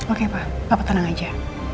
oke pa papa tenang aja